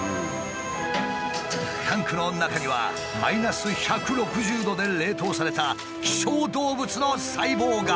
タンクの中にはマイナス１６０度で冷凍された希少動物の細胞が。